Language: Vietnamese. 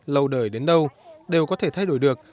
lâu đời đến đâu đều có thể thay đổi được